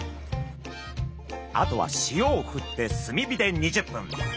あとは塩をふって炭火で２０分。